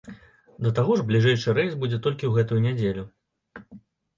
Да таго ж бліжэйшы рэйс будзе толькі ў гэтую нядзелю.